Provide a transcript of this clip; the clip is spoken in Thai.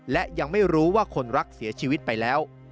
และยังไม่รู้ว่าคนรักเสียชีวิตไปแล้ว